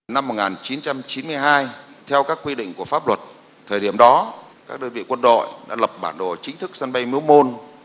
năm một nghìn chín trăm chín mươi hai theo các quy định của pháp luật thời điểm đó các đơn vị quân đội đã lập bản đồ chính thức sân bay miếu môn